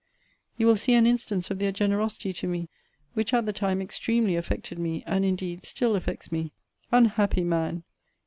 You will see an instance of their generosity to me, which at the time extremely affected me, and indeed still affects me. Unhappy man!